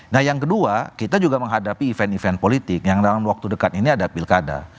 nah yang kedua kita juga menghadapi event event politik yang dalam waktu dekat ini ada pilkada